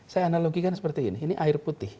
saya analogikan seperti ini